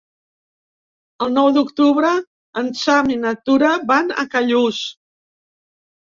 El nou d'octubre en Sam i na Tura van a Callús.